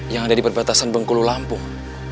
yang ada di perbatasan bengkulu lampung